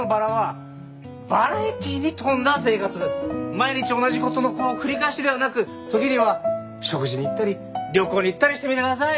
毎日同じ事のこう繰り返しではなく時には食事に行ったり旅行に行ったりしてみてください。